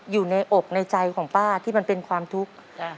อยู่ในอกในใจของป้าที่มันเป็นความทุกข์